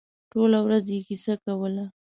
ټوله ورځ یې کیسه کوله.